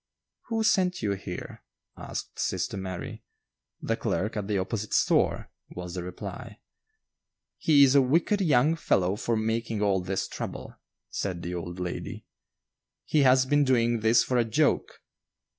"Who sent you here?" asked sister Mary. "The clerk at the opposite store," was the reply. "He is a wicked young fellow for making all this trouble," said the old lady; "he has been doing this for a joke."